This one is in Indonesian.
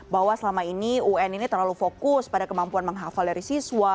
bahwa selama ini un ini terlalu fokus pada kemampuan menghafal dari siswa